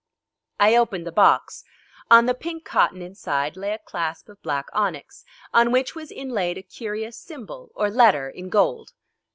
I opened the box. On the pink cotton inside lay a clasp of black onyx, on which was inlaid a curious symbol or letter in gold.